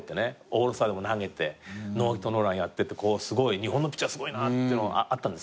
オールスターでも投げてノーヒットノーランやってって「日本のピッチャーすごいな」ってのがあったんですけど。